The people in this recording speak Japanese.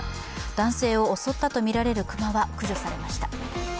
男性を襲ったとみられる熊は駆除されました。